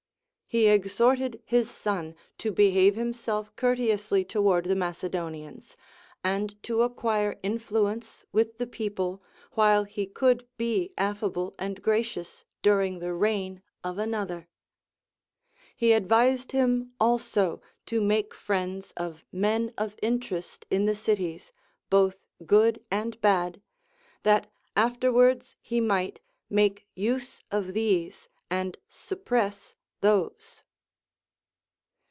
He ex horted his son to behave himself coui'teously toward the Macedonians, and to acquire influence with the people, Avhile he could be affable and gracious during the reign of another. He advised liim also to make friends of men of interest in the cities, both good and bad, that afterwards he might make use of these, and suppress those.